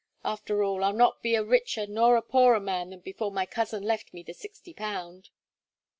After all, I'll not be a richer nor a poorer man than before my cousin left me the sixty pound."